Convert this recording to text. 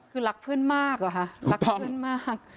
คือรักเพื่อนมากเหรอคะรักเพื่อนมาก